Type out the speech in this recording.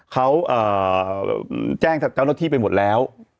เขาแจ้งเจ้าหน้าที่ไปหมดแล้ว